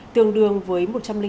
tương đương với một trăm linh tám